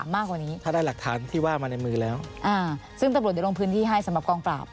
มากกว่านี้ถ้าได้หลักฐานที่ว่ามาในมือแล้วอ่าซึ่งตำรวจเดี๋ยวลงพื้นที่ให้สำหรับกองปราบ